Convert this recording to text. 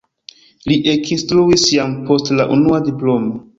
Li ekinstruis jam post la unua diplomo.